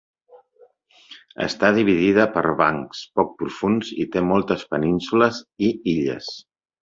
Està dividida per bancs poc profunds i té moltes penínsules i illes.